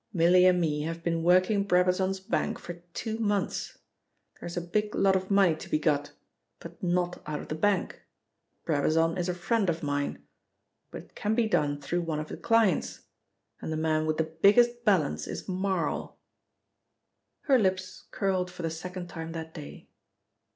"Milly and me have been working Brabazon's bank for two months. There's a big lot of money to be got, but not out of the bank Brabazon is a friend of mine but it can be done through one of the clients, and the man with the biggest balance is Marl." Her lips curled for the second time that day.